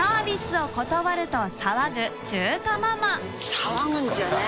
騒ぐんじゃねぇ！